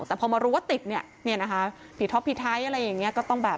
แต่พอมารู้ว่าติดพี่ท็อปพี่ไทท์อะไรอย่างนี้ก็ต้องแบบ